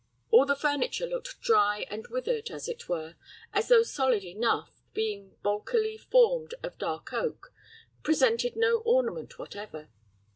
All the furniture looked dry and withered, as it were, and though solid enough, being balkily formed of dark oak, presented no ornament whatever.